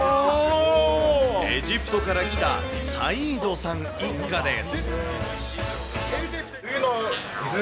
エジプトから来たサイードさん一家です。